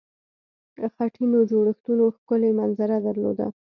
خټینو جوړښتونو ښکلې منظره درلوده.